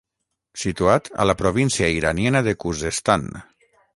Situat a la província iraniana de Khuzestan.